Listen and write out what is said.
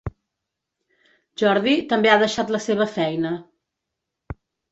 Jordi, també ha deixat la seva feina.